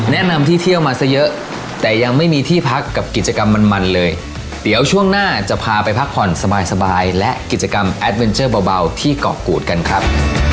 แนะนำที่เที่ยวมาซะเยอะแต่ยังไม่มีที่พักกับกิจกรรมมันมันเลยเดี๋ยวช่วงหน้าจะพาไปพักผ่อนสบายสบายและกิจกรรมแอดเวนเจอร์เบาที่เกาะกูดกันครับ